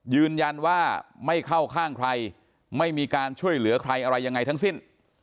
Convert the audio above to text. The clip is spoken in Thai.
ยืนยันว่าไม่เข้าข้างใครไม่มีการช่วยเหลือใครอะไรยังไงทั้งสิ้น